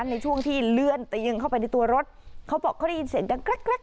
ในช่วงที่เลื่อนเตียงเข้าไปในตัวรถเขาบอกเขาได้ยินเสียงดังแกรก